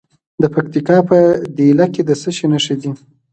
د پکتیکا په دیله کې د څه شي نښې دي؟